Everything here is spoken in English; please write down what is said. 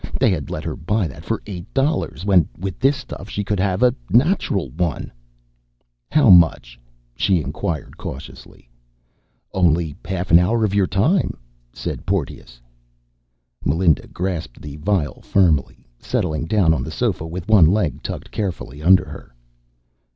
They had let her buy that for eight dollars when with this stuff she could have a natural one. "How much?" she inquired cautiously. "A half hour of your time only," said Porteous. Melinda grasped the vial firmly, settled down on the sofa with one leg tucked carefully under her.